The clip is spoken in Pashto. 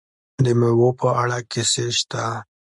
د میوو په اړه کیسې شته.